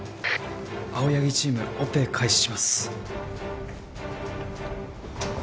青柳チームオペ開始します。